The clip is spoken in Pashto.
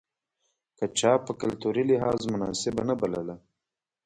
که چا په کلتوري لحاظ مناسبه نه بلله.